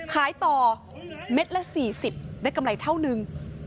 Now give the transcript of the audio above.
ขายต่อเม็ดละ๔๐ได้กำไรเท่านึง